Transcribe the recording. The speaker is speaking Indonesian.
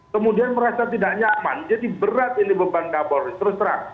kemudian merasa tidak nyaman jadi berat ini beban kapolri terus terang